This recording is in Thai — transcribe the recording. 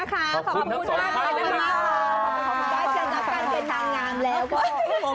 ขอบคุณทั้งที